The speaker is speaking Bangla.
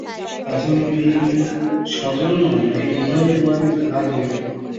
কাজলবিহীন সজলনয়নে হৃদয়দুয়ারে ঘা দিয়ো।